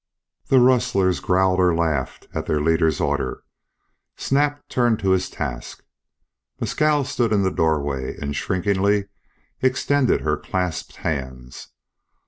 The rustlers growled or laughed at their leader's order. Snap turned to his task. Mescal stood in the doorway and shrinkingly extended her clasped hands.